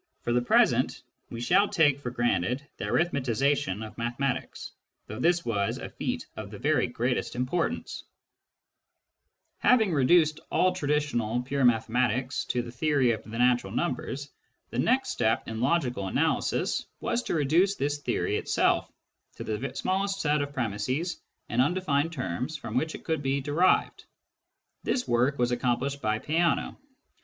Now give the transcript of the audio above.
For the present we shall take for granted the arithmetisation of mathematics though this was a feat of the very greatest importance. The Series of Natural Numbers 5 Having reduced all traditional pure mathematics to the theory of the natural numbers, the next step in logical analysis was to reduce this theory itself to the smallest set of premisses and undefined terms from which it could be derived. This work was accomplished by Peano.